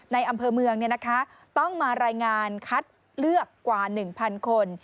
ในอำเภอเมืองต้องมารายงานคัดเลือกกว่า๑๐๐คน